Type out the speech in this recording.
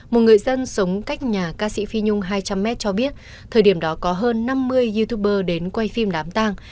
một người dân sống cách nhà ca sĩ phi nhung hai trăm linh m cho biết thời điểm đó có hơn năm mươi youtuber đến quay phim đám tang